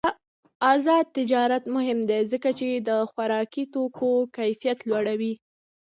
آزاد تجارت مهم دی ځکه چې د خوراکي توکو کیفیت لوړوي.